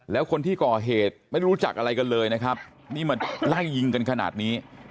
แล้วคนที่ก่อเหตุไม่รู้จักอะไรกันเลยนะครับนี่มาไล่ยิงกันขนาดนี้